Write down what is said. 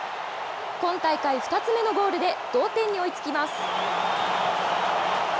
今大会２つ目のゴールで同点に追いつきます。